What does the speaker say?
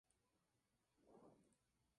Sus versiones eran diferentes en cada concierto.